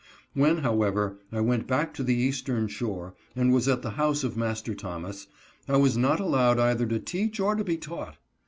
When, however, I went back to the eastern shore and was at the house of Master Thomas, I was not allowed either to teach or to be taught.